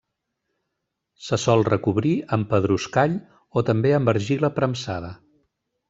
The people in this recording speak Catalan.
Se sol recobrir amb pedruscall o també amb argila premsada.